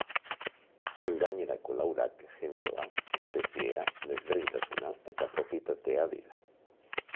Gainerako laurak generoa, espeziea, desberdintasuna eta propietatea dira.